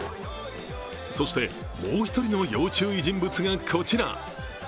そしてもう一人の要注意人物がこちら。